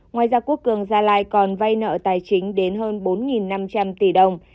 ngoài ra quốc cường ra lại còn vay nợ tài chính đến hơn bốn năm trăm linh tỷ đồng